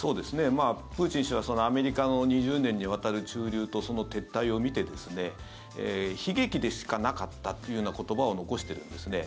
プーチン氏はアメリカの２０年にわたる駐留と撤退を見て悲劇でしかなかったというような言葉を残しているんですね。